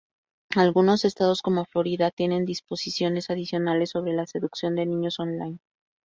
Algunos estados, como Florida, tienen disposiciones adicionales sobre la seducción de niños online.